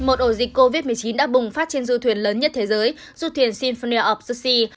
một ổ dịch covid một mươi chín đã bùng phát trên du thuyền lớn nhất thế giới du thuyền symphony of the sea